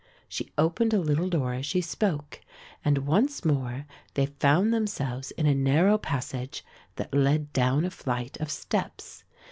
She opened a little door as she spoke and once more they found themselves in a narrow passage that led down a flight of steps.